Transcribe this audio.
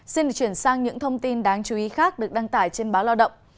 xin được chuyển sang những thông tin đáng chú ý khác được đăng tải trên báo lao động